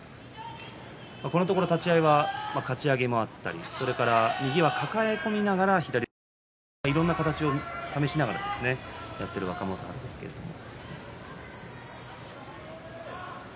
このところ、立ち合いはかち上げもあったり右は抱え込みながら左を差しにいったりいろんな形を試しながらやっている若元春ですけれども。